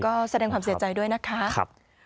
ก็แสดงความเสียใจด้วยนะคะ